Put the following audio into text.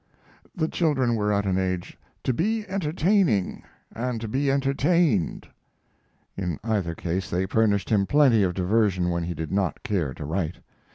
The children were at an age "to be entertaining, and to be entertained." In either case they furnished him plenty of diversion when he did not care to write.